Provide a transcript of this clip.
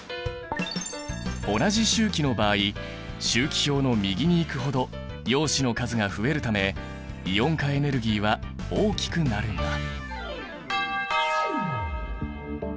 同じ周期の場合周期表の右に行くほど陽子の数が増えるためイオン化エネルギーは大きくなるんだ。